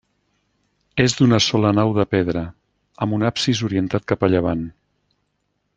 És d'una sola nau de pedra, amb un absis orientat cap a llevant.